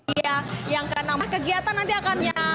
ini adalah kegiatan yang akan diakannya